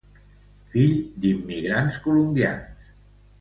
Fill d'immigrants colombians.